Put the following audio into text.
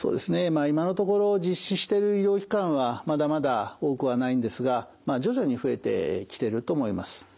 まあ今のところ実施している医療機関はまだまだ多くはないんですがまあ徐々に増えてきてると思います。